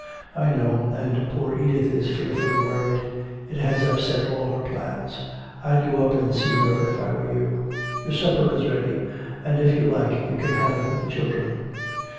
"I know, and poor Edith is fearfully worried. It has upset all her plans. I'd go up and see her if I were you. Your supper is ready; and if you like you can have it with the children."